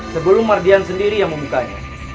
sebelum mardian sendiri yang membukanya